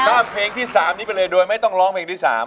ข้ามเพลงที่๓นี้ไปเลยโดยไม่ต้องร้องเพลงที่๓